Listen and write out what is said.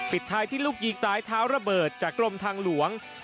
ปิดท้ายที่ลูกยิงซ้ายเท้าระเบิดจากกรมทางหลวง